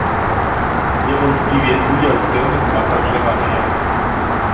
Niewątpliwie udział w tym ma także mafia